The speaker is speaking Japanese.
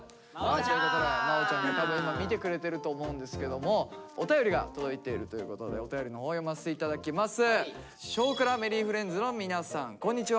まおちゃんも多分今見てくれてると思うんですけどもお便りが届いているということでお便りのほうを読ませて頂きます。